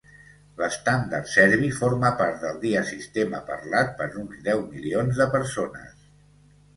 L'estàndard serbi forma part del diasistema, parlat per uns deu milions de persones.